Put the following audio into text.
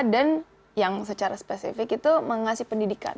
dan yang secara spesifik itu mengasih pendidikan